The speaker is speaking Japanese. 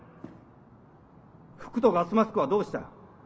服とガスマスクはどうした？